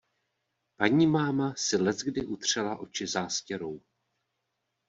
Panímáma si leckdy utřela oči zástěrou.